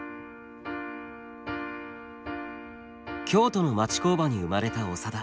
京都の町工場に生まれた長田。